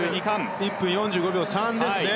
１分４５秒３ですね。